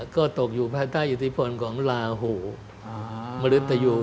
ก็ตกอยู่ภายใต้อิทธิพลของลาหูมริตยู